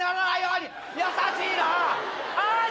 はい。